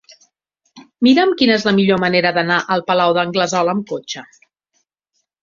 Mira'm quina és la millor manera d'anar al Palau d'Anglesola amb cotxe.